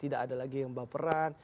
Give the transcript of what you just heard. tidak ada lagi yang baperan